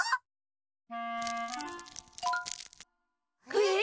えっ？